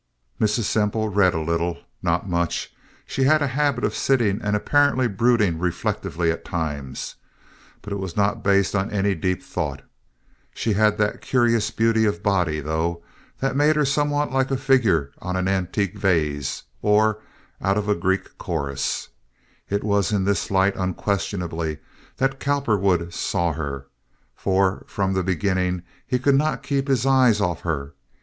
Mrs. Semple read a little—not much. She had a habit of sitting and apparently brooding reflectively at times, but it was not based on any deep thought. She had that curious beauty of body, though, that made her somewhat like a figure on an antique vase, or out of a Greek chorus. It was in this light, unquestionably, that Cowperwood saw her, for from the beginning he could not keep his eyes off her.